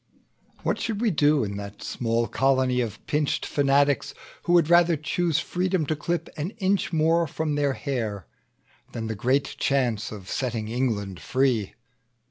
"What should we do in that small colony Of pinched fanatics, who would rather choose Freedom to clip an inch more from their hair, Than the great chance of setting England free?